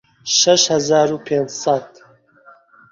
شەش هەزار و پێنج سەد